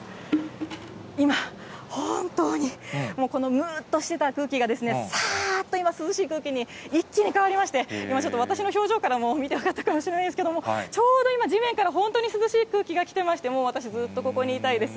今、本当にこのむーっとしていた空気がですね、さーっと今、涼しい空気に一気に変わりまして、今ちょっと私の表情からも見て取れたかもしれないですけれども、ちょうど今、地面から本当に涼しい空気が来てまして、もう私、ずっとここにいたいです。